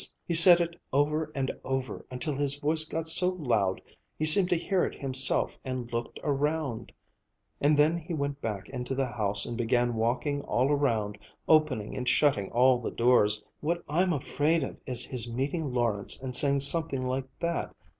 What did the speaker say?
He said it over and over, until his voice got so loud he seemed to hear it himself and looked around and then he went back into the house and began walking all around, opening and shutting all the doors. What I'm afraid of is his meeting Lawrence and saying something like that.